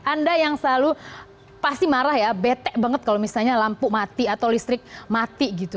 anda yang selalu pasti marah ya betek banget kalau misalnya lampu mati atau listrik mati gitu